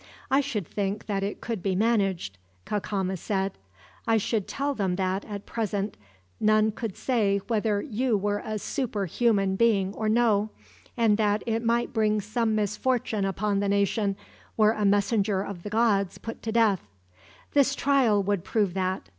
"I should think that it could be managed," Cacama said. "I should tell them that, at present, none could say whether you were a superhuman being or no; and that it might bring some misfortune upon the nation, were a messenger of the gods put to death. This trial would prove that.